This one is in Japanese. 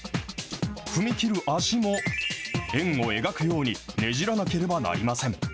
踏み切る足も、円を描くように、ねじらなければなりません。